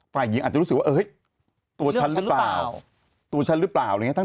ฝ่ายหญิงอาจจะรู้สึกว่าเฮ้ยตัวฉันหรือเปล่าตัวฉันหรือเปล่าอะไรอย่างนี้